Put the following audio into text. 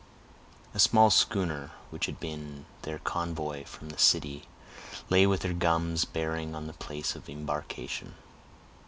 A small schooner, which had been their convoy from the city, lay with her guns bearing on the place of embarkation.